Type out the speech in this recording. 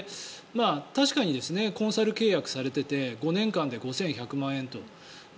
確かにコンサル契約されていて５年間で５１００万円と。